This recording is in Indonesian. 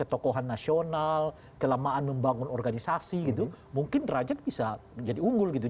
ketokohan nasional kelamaan membangun organisasi gitu mungkin derajat bisa menjadi unggul gitu